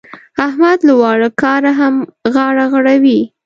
احمد له واړه کاره هم غاړه غړوي.